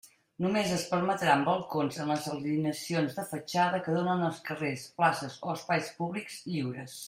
Només es permetran balcons en les alineacions de fatxada que donen a carrers, places o espais públics lliures.